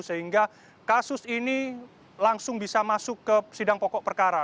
sehingga kasus ini langsung bisa masuk ke sidang pokok perkara